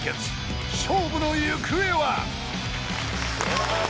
［勝負の行方は？］